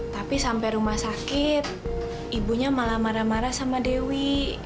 tapi sampai rumah sakit ibunya malah marah marah sama dewi